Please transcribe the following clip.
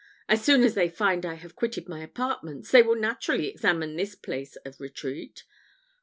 "As soon as they find I have quitted my apartments, they will naturally examine this place of retreat."